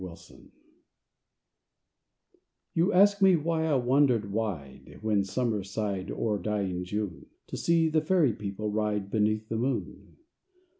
THE ELF QUEEN You ask me why I wandered wide When Summer sighed o'er dying June? To see the Fairy People ride Beneath the moon.